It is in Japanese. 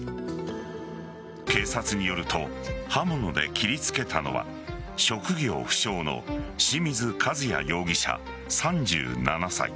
警察によると刃物で切りつけたのは職業不詳の清水和也容疑者、３７歳。